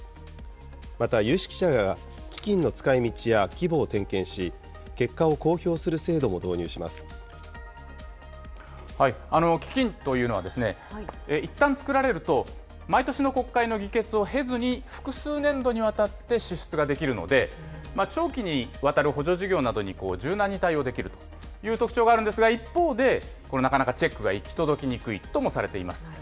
また、有識者らが基金の使いみちや規模を点検し、結果を公表する基金というのは、いったん作られると、毎年の国会の議決を経ずに、複数年度にわたって支出ができるので、長期にわたる補助事業などに柔軟に対応できるという特徴があるんですが、一方で、なかなかチェックが行き届きにくいともされています。